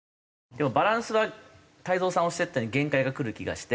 でもバランスは太蔵さんおっしゃったように限界がくる気がして。